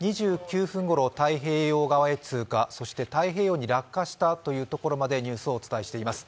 ２９分ごろ、太平洋側へ通過、太平洋に落下したというところまでニュースをお伝えしています。